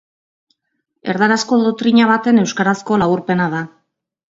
Erdarazko dotrina baten euskarazko laburpena da.